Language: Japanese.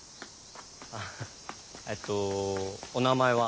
あえっとお名前は。